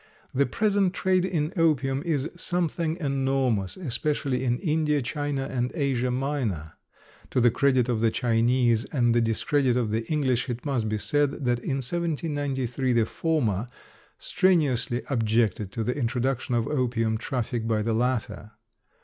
The present trade in opium is something enormous, especially in India, China, and Asia Minor. To the credit of the Chinese and the discredit of the English it must be said that in 1793 the former strenuously objected to the introduction of opium traffic by the latter.